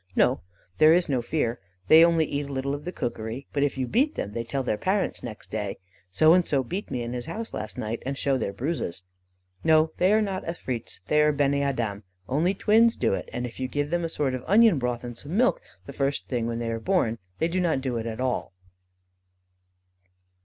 "'No, there is no fear; they only eat a little of the cookery; but if you beat them, they tell their parents next day. 'So and so beat me in his house last night,' and show their bruises. No, they are not afreets; they are beni Adam. Only twins do it, and if you give them a sort of onion broth and some milk, the first thing when they are born, they do not do it at all.